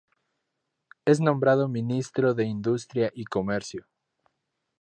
Es nombrado Ministro de Industria y Comercio.